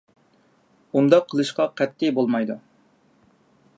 ئۇنداق قىلىشقا قەتئىي بولمايدۇ.